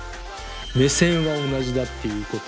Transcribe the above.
目線は同じだっていうこと。